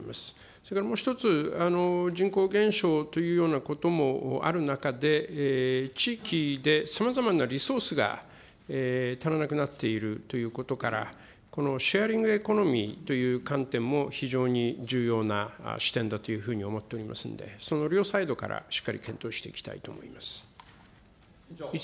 それからもう一つ、人口減少というようなこともある中で、地域でさまざまなリソースが足らなくなっているということから、このシェアリングエコノミーという観点も非常に重要な視点だというように思っておりますんで、その両サイドからしっかり検討していきたいと思います。